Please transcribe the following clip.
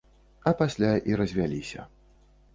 А пасля і развяліся.